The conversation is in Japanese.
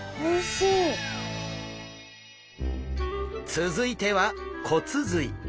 続いては骨髄。